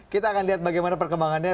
kita akan lihat bagaimana perkembangannya